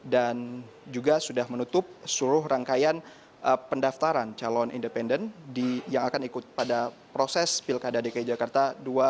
dan juga sudah menutup seluruh rangkaian pendaftaran calon independen yang akan ikut pada proses pilkada dki jakarta dua ribu tujuh belas